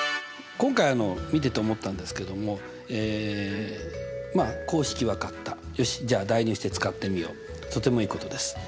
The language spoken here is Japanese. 今回見てて思ったんですけどもえまあ公式分かったよしじゃあ代入して使ってみようとてもいいことです。